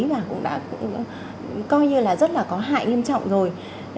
và cũng đã coi như là rất là có hại nghiêm trọng rồi